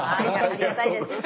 ありがたいです。